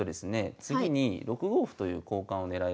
次に６五歩という交換を狙えるんですね。